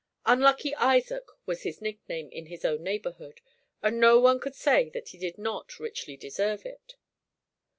"Unlucky Isaac" was his nickname in his own neighborhood, and no one could say that he did not richly deserve it.